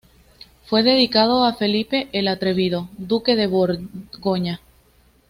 Fue dedicado a Felipe el Atrevido, duque de Borgoña.